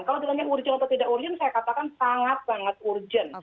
kalau ditanya urgen atau tidak urgen saya katakan sangat sangat urgen